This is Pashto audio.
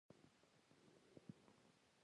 پسه پاک حیوان بلل کېږي.